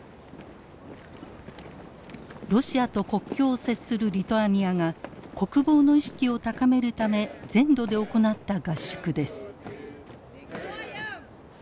ロシアと国境を接するリトアニアが国防の意識を高めるため全土で行った合宿です。